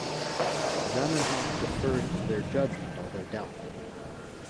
Zamenhof deferred to their judgment, although doubtful.